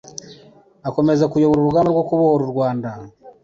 akomeza kuyobora urugamba rwo kubohora u Rwanda